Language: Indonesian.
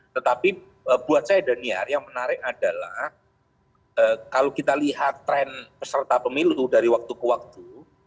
tetapi buat saya daniar yang menarik adalah kalau kita lihat tren peserta pemilu dari waktu ke waktu